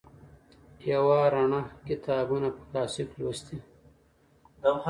یوه روڼه کتابونه په کلاسه کې لوستي.